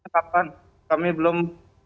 kapan kami belum